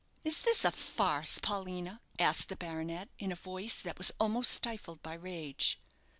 "Is this a farce, Paulina?" asked the baronet, in a voice that was almost stifled by rage.